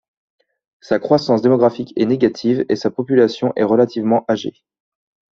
Sa croissance démographique est négative, et sa population est relativement âgée.